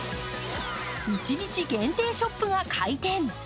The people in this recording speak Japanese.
一日限定ショップが開店。